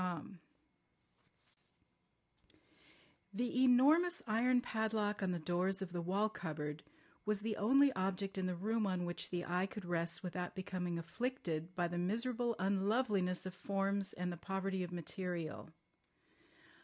CHAPTER XIII The enormous iron padlock on the doors of the wall cupboard was the only object in the room on which the eye could rest without becoming afflicted by the miserable unloveliness of forms and the poverty of material.